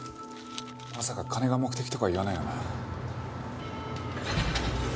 まさか金が目的とか言わないよな？